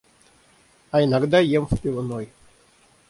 А иногда ем в пивной.